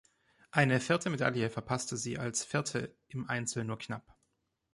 Eine vierte Medaille verpasste sie als Vierte im Einzel nur knapp.